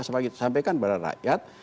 sampaikan kepada rakyat